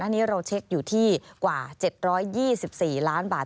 อันนี้เราเช็คอยู่ที่กว่า๗๒๔ล้านบาท